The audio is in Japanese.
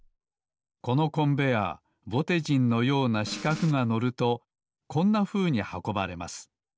このコンベアーぼてじんのようなしかくが乗るとこんなふうにはこばれます。